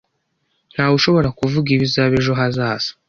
Ntawe ushobora kuvuga ibizaba ejo hazaza